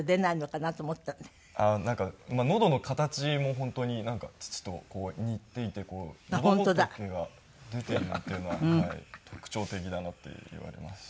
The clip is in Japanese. なんかのどの形も本当に父と似ていてのどぼとけが出ているっていうのは特徴的だなと言われますし。